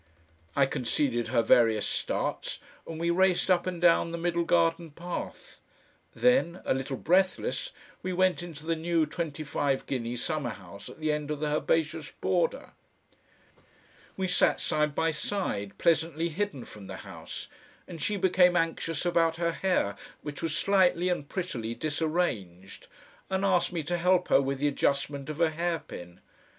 I conceded her various starts and we raced up and down the middle garden path. Then, a little breathless, we went into the new twenty five guinea summer house at the end of the herbaceous border. We sat side by side, pleasantly hidden from the house, and she became anxious about her hair, which was slightly and prettily disarranged, and asked me to help her with the adjustment of a hairpin.